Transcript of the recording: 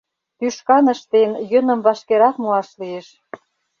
Тӱшкан ыштен, йӧным вашкерак муаш лиеш.